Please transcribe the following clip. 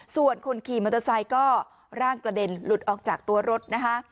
ส่วนคนขี่มอเตอร์ไซค์ก็ร่างกระเด็นหลุดออกจากตัวรถนะคะ